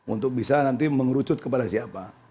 untuk bisa nanti mengerucut kepada siapa